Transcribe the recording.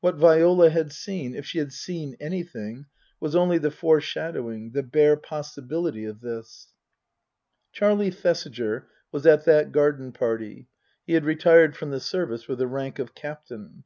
What Viola had seen if she had seen anything was only the foreshadowing, the bare possibility of this. Charlie Thesiger was at that garden party (he had retired from the service with the rank of Captain).